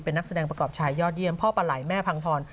เป็นนักแสดงประกอบชายยอดเยี่ยมพ่อปลาไหล่แม่พังทร